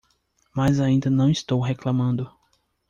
Mas ainda não estou reclamando.